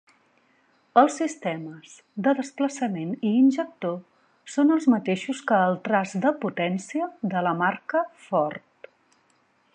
Els sistemes de desplaçament i injector són els mateixos que el traç de potència de la marca Ford.